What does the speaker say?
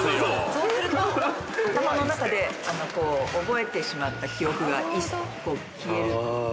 「そうすると頭の中で覚えてしまった記憶が消える気がするの」